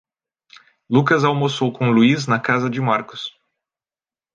Lucas almoçou com Luiz na casa de Marcos.